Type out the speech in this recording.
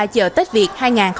chợ tết việt hai nghìn hai mươi bốn